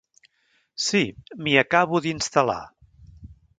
Sí, m'hi acabo d'instal·lar.